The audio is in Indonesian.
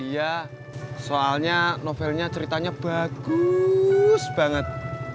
iya soalnya novelnya ceritanya bagus banget